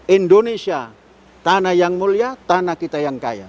indonesia tanah yang mulia tanah kita yang kaya